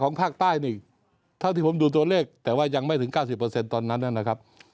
ของภาคใต้นี่เท่าที่ผมดูตัวเลขแต่ว่ายังไม่ถึง๙๐เปอร์เซ็นต์ตอนนั้นน่ะนะครับ